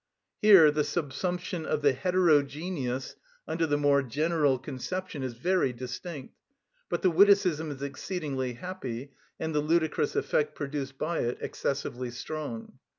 Here the subsumption of the heterogeneous under the more general conception is very distinct, but the witticism is exceedingly happy, and the ludicrous effect produced by it excessively strong.